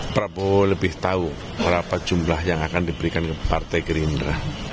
prabowo lebih tahu berapa jumlah yang akan diberikan ke partai gerindra